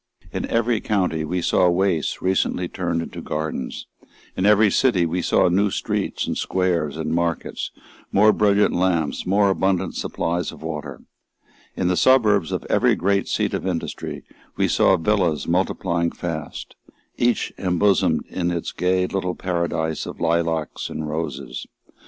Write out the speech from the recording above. In every county, we saw wastes recently turned into gardens; in every city, we saw new streets, and squares, and markets, more brilliant lamps, more abundant supplies of water; in the suburbs of every great seat of industry, we saw villas multiplying fast, each embosomed in its gay little paradise of lilacs and roses.